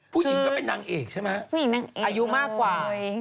ผู้หญิงก็เป็นนางเอกใช่ไหมอายุมากกว่า